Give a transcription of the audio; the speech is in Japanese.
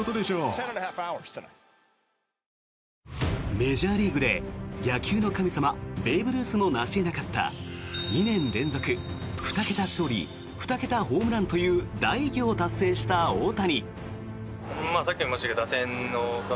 メジャーリーグで野球の神様、ベーブ・ルースもなしえなかった２年連続２桁勝利２桁ホームランという大偉業を達成した大谷。